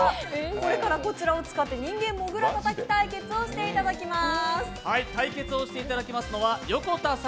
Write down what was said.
これからこれを使って「人間モグラたたき」対決をしていただきます。